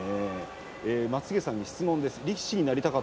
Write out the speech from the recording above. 松重さんに質問ですね。